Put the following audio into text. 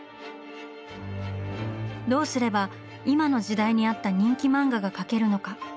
どうすれば今の時代に合った人気漫画が描けるのか？